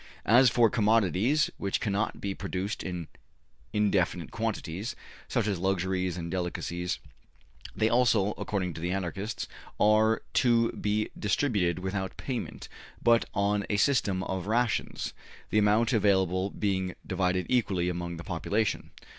As for commodities which cannot be produced in indefinite quantities, such as luxuries and delicacies, they also, according to the Anarchists, are to be distributed without payment, but on a system of rations, the amount available being divided equally among the population.